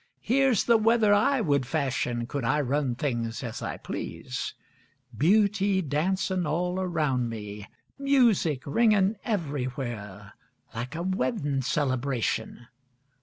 Here's the weather I would fashion could I run things as I please Beauty dancin' all around me, music ringin' everywhere, Like a weddin' celebration.